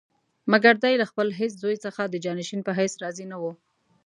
مګر دی له خپل هېڅ زوی څخه د جانشین په حیث راضي نه وو.